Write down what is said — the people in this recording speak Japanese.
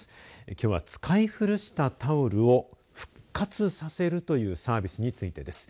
きょうは使い古したタオルを復活させるというサービスについてです。